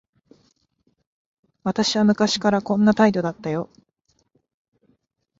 私は昔からこんな態度だったよ。